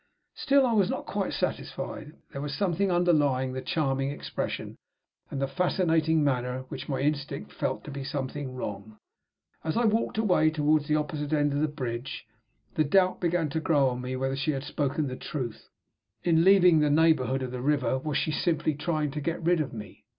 Still I was not quite satisfied. There was something underlying the charming expression and the fascinating manner which my instinct felt to be something wrong. As I walked away toward the opposite end of the bridge, the doubt began to grow on me whether she had spoken the truth. In leaving the neighborhood of the river, was she simply trying to get rid of me?